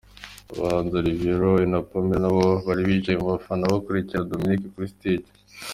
Abahanzi Olivier Roy na Pamela nabo bari bicaye mu bafana bakurikirana Dominic kuri stage.